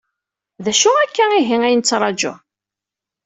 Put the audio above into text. D acu akk-a ihi ay nettraju?